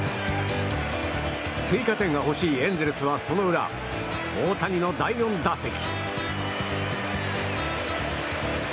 追加点が欲しいエンゼルスはその裏大谷の第４打席。